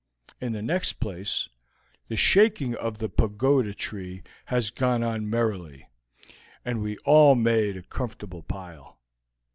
In. the next place, the shaking of the pagoda tree has gone on merrily, and we all made a comfortable pile.